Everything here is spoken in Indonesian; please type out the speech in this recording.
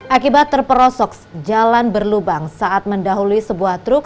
akibat terperosok jalan berlubang saat mendahului sebuah truk